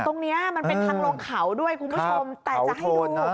ตรงนี้มันเป็นทางลงเขาด้วยคุณผู้ชม